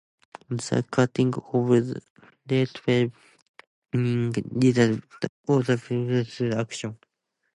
The "cutting of red tape" - meaning a reduction of bureaucratic obstacles to action.